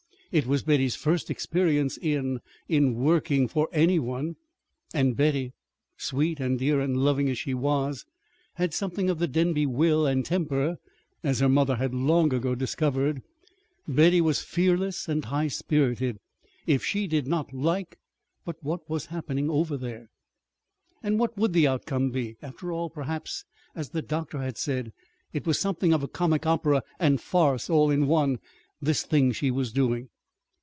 It was Betty's first experience in in working for any one; and Betty sweet and dear and loving as she was had something of the Denby will and temper, as her mother had long since discovered. Betty was fearless and high spirited. If she did not like but what was happening over there? And what would the outcome be? After all, perhaps, as the doctor had said, it was something of a comic opera and farce all in one this thing she was doing.